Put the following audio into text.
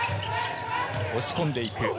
押し込んでいく。